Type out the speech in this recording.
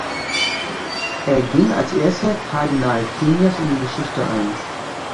Er ging als erster Kardinal Kenias in die Geschichte ein.